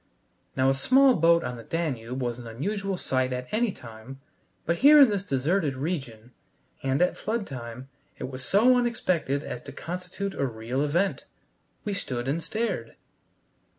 Now a small boat on the Danube was an unusual sight at any time, but here in this deserted region, and at flood time, it was so unexpected as to constitute a real event. We stood and stared.